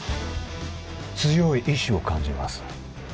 強い意志を感じます